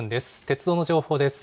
鉄道の情報です。